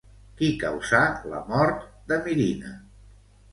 Qui causà la mort de Mirina?